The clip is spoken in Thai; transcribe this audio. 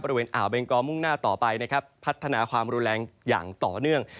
อ่าวเบงกอมุ่งหน้าต่อไปนะครับพัฒนาความรุนแรงอย่างต่อเนื่อง